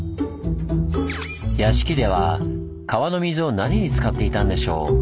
屋敷では川の水を何に使っていたんでしょう？